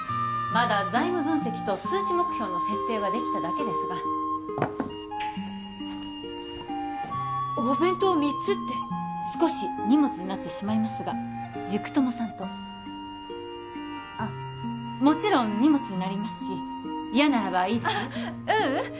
まだ財務分析と数値目標の設定ができただけですがお弁当３つって少し荷物になってしまいますが塾友さんとあっもちろん荷物になりますし嫌ならばいいですよううん